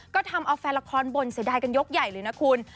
ก็ทำเอาแฟนละครบ่นเสียดายกันยกใหญ่เลยนะคุณ